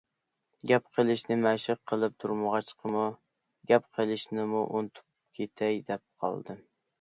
گەپ قىلىشنى مەشىق قىلىپ تۇرمىغاچقىمۇ، گەپ قىلىشنىمۇ ئۇنتۇپ كېتەي دەپ قالدىم.